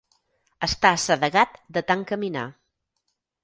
Està assedegat de tant caminar.